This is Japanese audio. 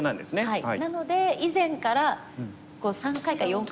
はい。